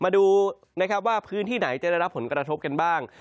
มาดูนะครับว่าพื้นที่ไหนจะได้รับผลกระทบกันบ้าง